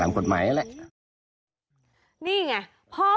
พ่อบอกว่าจริงแล้วก็เป็นยาดกันด้วย